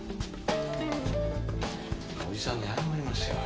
叔父さんに謝りますよ。